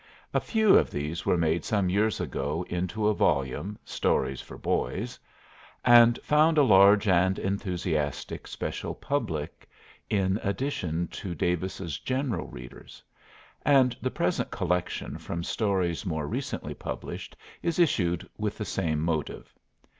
A few of these were made some years ago into a volume, "Stories for Boys," and found a large and enthusiastic special public in addition to Davis's general readers; and the present collection from stories more recently published is issued with the same motive.